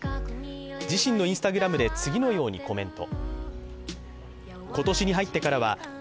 自身のＩｎｓｔａｇｒａｍで次のようにコメント。